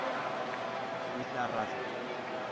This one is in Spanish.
Isla Raza".